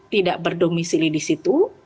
tidak berdomisili di situ